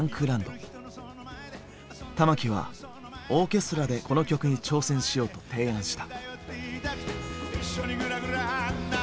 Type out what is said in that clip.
玉置はオーケストラでこの曲に挑戦しようと提案した。